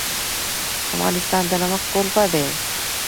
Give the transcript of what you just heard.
افغانستان د نمک کوربه دی.